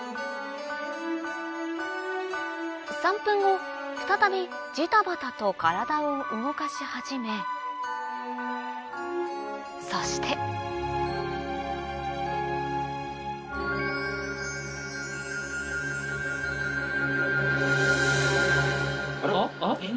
３分後再びじたばたと体を動かし始めそして・あっあっ！